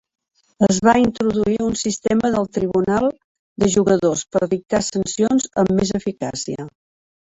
Es va introduir un sistema de tribunal de jugadors per dictar sancions amb més eficàcia.